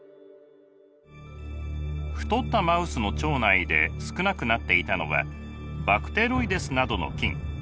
太ったマウスの腸内で少なくなっていたのはバクテロイデスなどの菌。